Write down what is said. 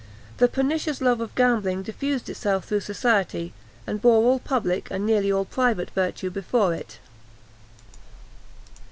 The pernicious love of gambling diffused itself through society, and bore all public and nearly all private virtue before it.